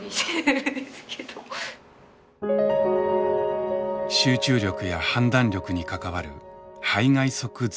集中力や判断力に関わる背外側前頭前野。